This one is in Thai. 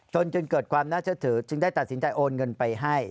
จนจึงเกิดความน่าเชื่อถือจึงได้ตัดสินใจโอนเงินไปให้